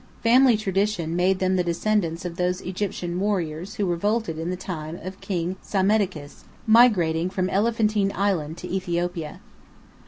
Family tradition made them the descendants of those Egyptian warriors who revolted in the time of King Psammetichus, migrating from Elephantine Island to Ethiopia.